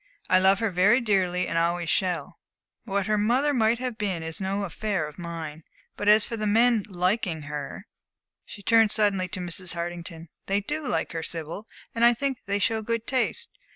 I love her very dearly and always shall. What her mother may have been is no affair of mine. But as for the men liking her" she turned suddenly to Mrs. Hartington "they do like her, Sibyl, and I think they show good taste.